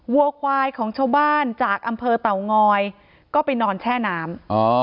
วัวควายของชาวบ้านจากอำเภอเต่างอยก็ไปนอนแช่น้ำ